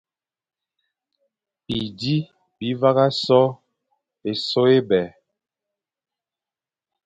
Bizi bi vagha so sô é bè,